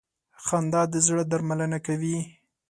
• خندا د زړه درملنه کوي.